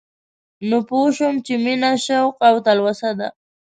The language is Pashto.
نو پوه شوم چې مينه شوق او تلوسه ده